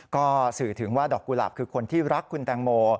ก็สื่อถึงว่าดอกกุหลาบคือคนที่รักคุณแตงโม